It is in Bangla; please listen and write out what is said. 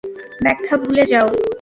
ব্যাখা ভুলে যাও।